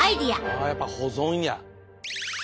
あやっぱ保存や。